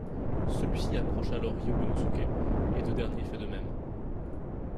Celui-ci approche alors Hyogonosuke et de dernier fait de même.